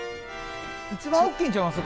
一番大っきいんちゃいます？